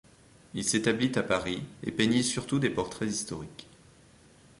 Il s’établit à Paris et peignit surtout des portraits historiques.